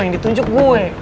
yang ditunjuk gue